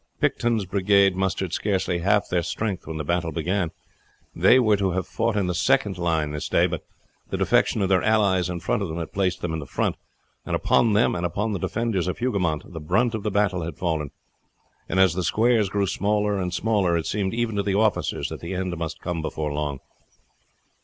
Picton's brigade mustered scarce half their strength when the battle began. They were to have fought in the second line this day; but the defection of their allies in front of them had placed them in the front, and upon them and upon the defenders of Hougoumont the brunt of the battle had fallen, and as the squares grew smaller and smaller it seemed even to the officers that the end must come before long.